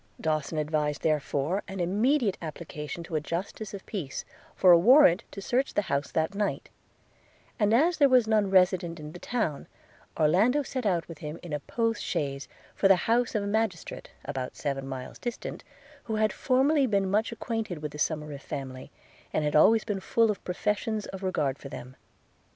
Dawson advised therefore an immediate application to a justice of peace, for a warrant to search the house that night; and as there was none resident in the town, Orlando set out with him in a post chaise for the house of a magistrate, about seven miles distant, who had formerly been much acquainted with the Somerive family, and had been always full of professions of regard for them.